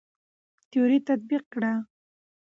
تيوري تطبيق کړه.